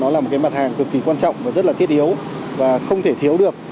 nó là một cái mặt hàng cực kỳ quan trọng và rất là thiết yếu và không thể thiếu được